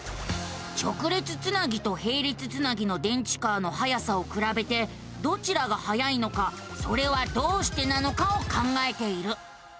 直列つなぎとへい列つなぎの電池カーのはやさをくらべてどちらがはやいのかそれはどうしてなのかを考えている。